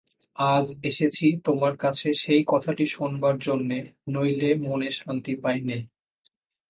আজ এসেছি তোমার কাছে সেই কথাটি শোনবার জন্যে নইলে মনে শান্তি পাই নে।